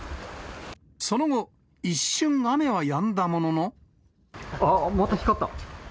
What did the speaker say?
その後、あっ、また光った。